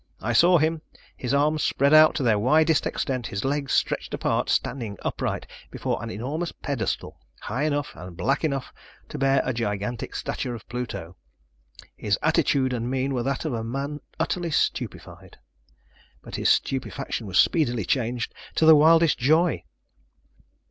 I saw him, his arms spread out to their widest extent, his legs stretched apart, standing upright before an enormous pedestal, high enough and black enough to bear a gigantic statue of Pluto. His attitude and mien were that of a man utterly stupefied. But his stupefaction was speedily changed to the wildest joy.